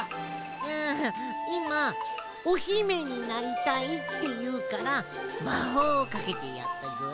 ああいま「オヒメになりたい」っていうからまほうをかけてやったぞえ。